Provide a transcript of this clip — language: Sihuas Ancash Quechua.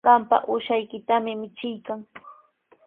Qampa uushaykitami michiykan.